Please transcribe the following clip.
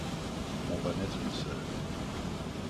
On va mettre une soeur.